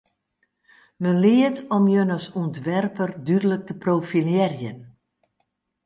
Men leart om jin as ûntwerper dúdlik te profilearjen.